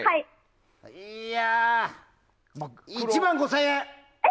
いやあ１万５０００円！